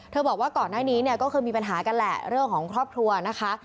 บอกว่าก่อนหน้านี้เนี่ยก็เคยมีปัญหากันแหละเรื่องของครอบครัวนะคะ